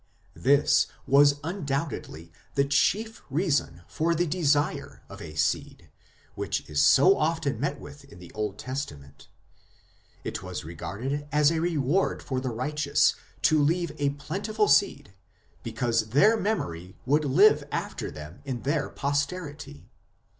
This was undoubtedly the chief reason for the desire of a " seed " which is so often met with in the Old Testament. It was regarded as a reward for the righteous to leave a plentiful seed because their memory would live after them in their posterity.